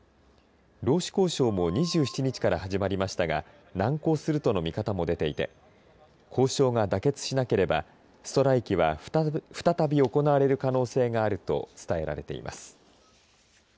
労使交渉も２７日から始まりましたが難航するとの見方も出ていて交渉が妥結しなければストライキは再び行われる可能性があると伝えられています。